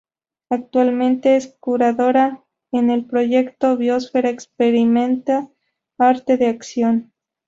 Actualmente es curadora en el proyecto Biosfera Experimenta Arte de Acción.